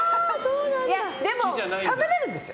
でも、食べられるんですよ